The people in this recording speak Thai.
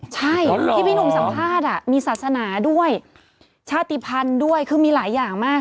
ใช่ที่พี่หนุ่มสัมภาษณ์มีศาสนาด้วยชาติภัณฑ์ด้วยคือมีหลายอย่างมาก